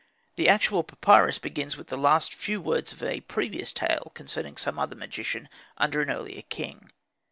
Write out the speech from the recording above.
The actual papyrus begins with the last few words of a previous tale concerning some other magician under an earlier king.